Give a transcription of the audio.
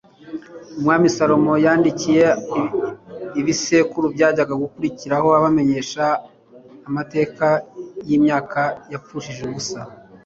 umwami salomo yandikiye ab'ibisekuru byajyaga gukurikiraho abamenyesha amateka y'imyaka yapfushije ubusa